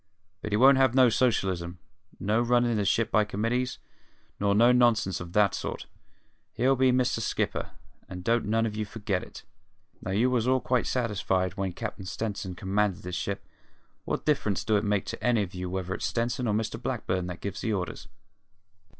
But he won't have no socialism, no runnin' the ship by committees, nor no nonsense of that sort; he'll be Mister Skipper, and don't none of you forget it! Now, you was all quite satisfied when Cap'n Stenson commanded the ship: what difference do it make to any of you whether it's Stenson or Mr Blackburn what gives the orders?